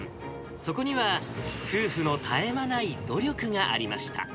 そこには、夫婦の絶え間ない努力がありました。